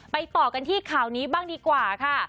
ต่อกันที่ข่าวนี้บ้างดีกว่าค่ะ